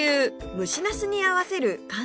蒸しなすに合わせる簡単だれ